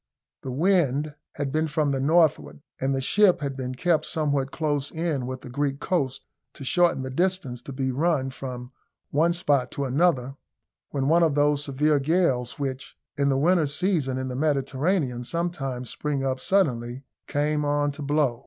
The wind had been from the northward, and the ship had been kept somewhat close in with the Greek coast, to shorten the distance to be run from one spot to another, when one of those severe gales, which in the winter season in the Mediterranean sometimes spring up suddenly, came on to blow.